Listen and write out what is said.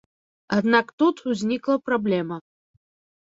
Аднак тут узнікла праблема.